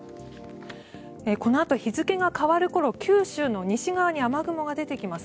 このあと、日付が変わる頃九州の西側に雨雲が出てきます。